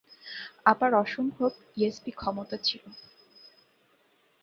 আপার অসম্ভব ইএসপি ক্ষমতা ছিল।